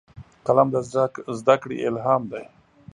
قلم د زدهکړې الهام دی